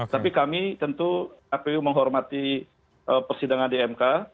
tapi kami tentu kpu menghormati persidangan di mk